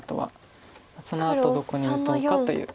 そのあとどこに打とうかという。